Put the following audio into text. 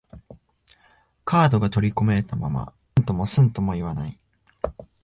カードが取り込まれたまま、うんともすんとも言わない